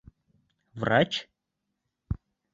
Врач?